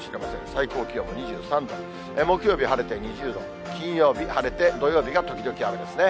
最高気温も２３度、木曜日晴れて２０度、金曜日晴れて、土曜日が時々雨ですね。